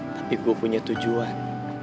tapi gua punya tujuan